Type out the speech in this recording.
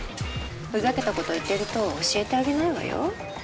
ふざけたこと言ってると教えてあげないわよ。